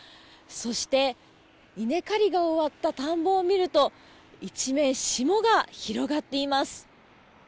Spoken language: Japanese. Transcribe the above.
そして、稲刈りが終わった田んぼを見ると一面霜が広がっています。